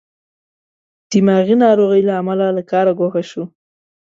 دماغې ناروغۍ له امله له کاره ګوښه شو.